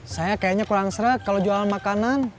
saya kayaknya kurang serah kalau jualan makanan